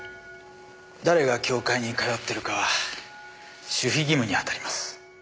誰が教会に通ってるかは守秘義務に当たります。